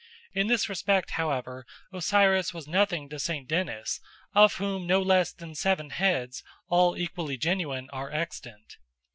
In this respect, however, Osiris was nothing to St. Denys, of whom no less than seven heads, all equally genuine, are extant.